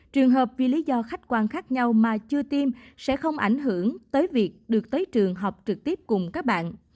trường hợp vì lý do khách quan khác nhau mà chưa tiêm sẽ không ảnh hưởng tới việc được tới trường học trực tiếp cùng các bạn